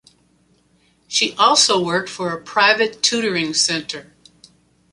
She also worked for a private tutoring center.